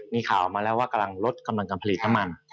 มีข่าวมาแล้วว่ากำลังลดกำลังการผลิตน้ำมัน